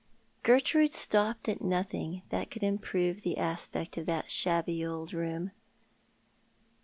Gertrude stopped at nothing that could improve the aspect of that shabby old room.